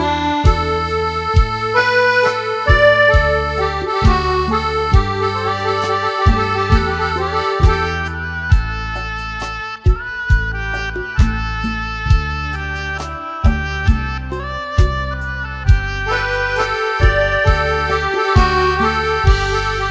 มีความะห่ะ